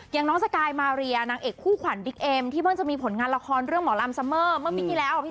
อย่างน้องสกายมาเรียนางเอกคู่ขวัญบิ๊กเอ็มที่เพิ่งจะมีผลงานละครเรื่องหมอลำซัมเมอร์เมื่อปีที่แล้ว